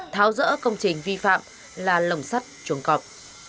thao dỡ công trình vi phạm là lồng sắt chuồng cọp